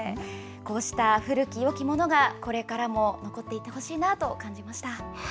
こうした古きよきものがこれからも残っていってほしいなと感じました。